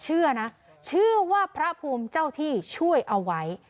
จากอุปดาห์เหตุครั้งนี้ได้เนี่ยเชื่อนะเชื่อว่าพระภูมิเจ้าที่ช่วยเอาไว้